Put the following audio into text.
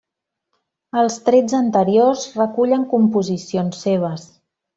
Els tretze anteriors recullen composicions seves.